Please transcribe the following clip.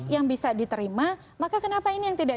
yang bisa diterima maka kenapa ini yang tidak